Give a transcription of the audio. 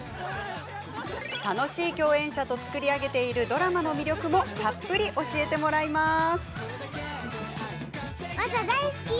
楽しい共演者と作り上げているドラマの魅力もたっぷり教えてもらいます。